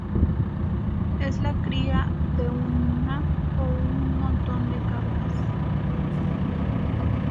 Es la cría de una o un montón de cabras.